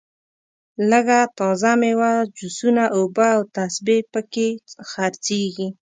لږه تازه میوه جوسونه اوبه او تسبې په کې خرڅېږي.